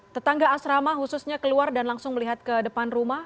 tetangga asrama khususnya keluar dan langsung melihat ke depan rumah